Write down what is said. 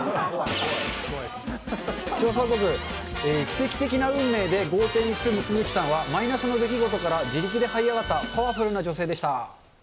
調査報告、奇跡的な運命で豪邸に住む續さんは、マイナスの出来事から自力ではい上がった、パワフルな女性でした。